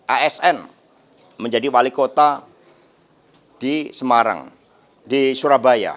asn menjadi wali kota di semarang di surabaya